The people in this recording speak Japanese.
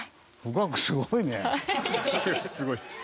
すごいです。